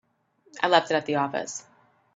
I left it at the office.